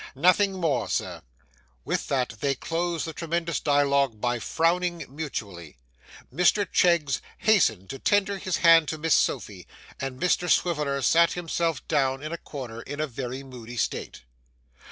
'Nothing more, sir' With that they closed the tremendous dialog by frowning mutually. Mr Cheggs hastened to tender his hand to Miss Sophy, and Mr Swiviller sat himself down in a corner in a very moody state.